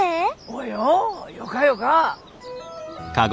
およ。よかよか。